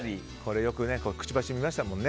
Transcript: よく、くちばし見ましたよね。